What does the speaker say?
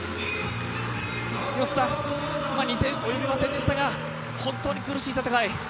２点及びませんでしたが、本当に苦しい戦い。